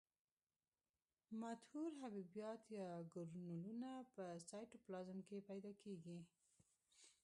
مدور حبیبات یا ګرنولونه په سایتوپلازم کې پیدا کیږي.